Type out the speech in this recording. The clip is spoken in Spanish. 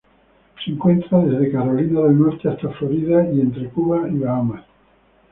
Se encuentra desde Carolina del Norte hasta Florida y entre Cuba y Bahamas.